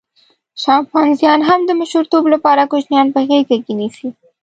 شامپانزیان هم د مشرتوب لپاره کوچنیان په غېږه کې نیسي.